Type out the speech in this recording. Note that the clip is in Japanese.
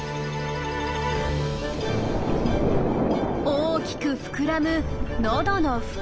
大きく膨らむのどの袋。